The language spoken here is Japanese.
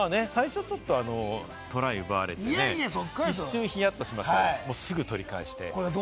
最初はちょっとトライ奪われて、一瞬ヒヤッとしましたが、すぐ取り返して。